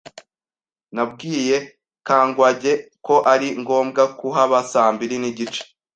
Nabwiye Kangwage ko ari ngombwa kuhaba saa mbiri nigice.